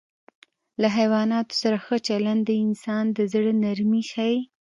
له حیواناتو سره ښه چلند د انسان د زړه نرمي ښيي.